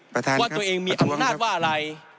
ว่าตัวเองมีอำนาจว่าอะไร